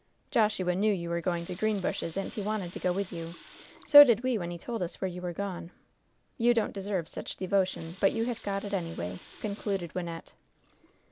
"Joshua knew you were going to Greenbushes, and he wanted to go with you. So did we when he told us where you were gone. You don't deserve such devotion; but you have got it anyway," concluded Wynnette.